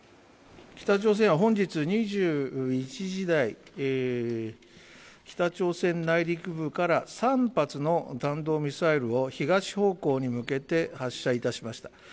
北朝鮮は本日２１時台北朝鮮内陸部から３発の弾道ミサイルを東方向に向けて発射いたしました。